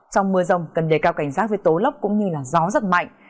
trong mưa rồng cần đề cao cảnh giác về tố lốc cũng như gió rất mạnh